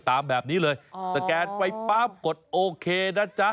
ตามแบบนี้เลยสแกนไฟปั๊บกดโอเคนะจ๊ะ